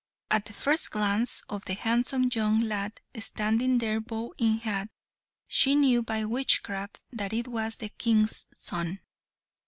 At the first glance of the handsome young lad standing there bow in hand, she knew by witchcraft that it was the King's son.